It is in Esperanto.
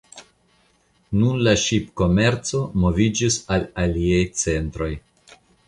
Nun la ŝipkomerco moviĝis al aliaj centroj.